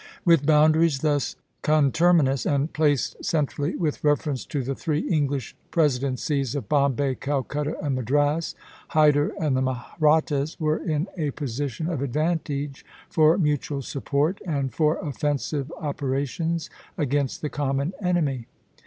With boundaries thus conterminous, and placed centrally with reference to the three English presidencies of Bombay, Calcutta, and Madras, Hyder and the Mahrattas were in a position of advantage for mutual support and for offensive operations against the common enemy.